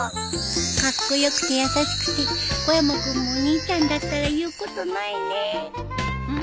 カッコ良くて優しくて小山君もお兄ちゃんだったら言うことないねん？